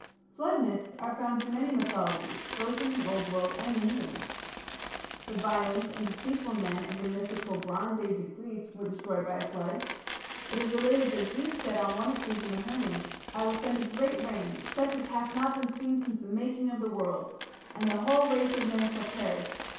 Flood myths are found in many mythologies both in the Old World and the New. The violent and deceitful men of the mythical Bronze Age of Greece were destroyed by a flood. It is related that Zeus said on one occasion to Hermes: "I will send a great rain, such as hath not been since the making of the world, and the whole race of men shall perish.